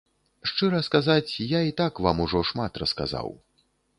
Шчыра сказаць, я і так вам ужо шмат расказаў.